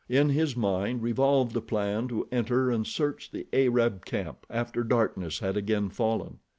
In his mind he revolved a plan to enter and search the Arab camp, after darkness had again fallen.